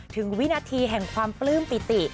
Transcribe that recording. วินาทีแห่งความปลื้มปิติ